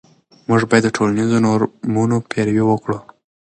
موږ باید د ټولنیزو نورمونو پیروي وکړو.